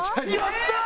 やったー！